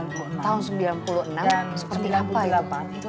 dan sembilan puluh delapan itu